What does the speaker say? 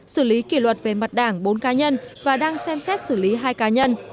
xử lý kỷ luật về mặt đảng bốn cá nhân và đang xem xét xử lý hai cá nhân